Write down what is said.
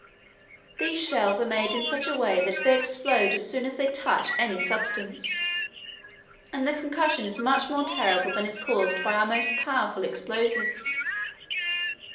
These shells are made in such a way that they explode as soon as they touch any substance, and the concussion is much more terrible than is caused by our most powerful explosives.